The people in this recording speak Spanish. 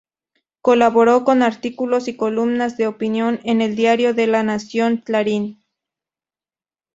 Colaboró con artículos y columnas de opinión en el diario La Nación y Clarín.